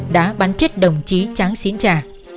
đã bắn chết đồng chí tráng xín trà